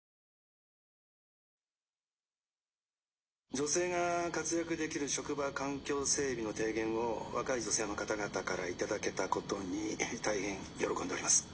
「女性が活躍できる職場環境整備の提言を若い女性の方々から頂けたことに大変喜んでおります」。